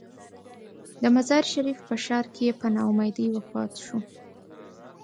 د مزار شریف په ښار کې په نا امیدۍ وفات شو.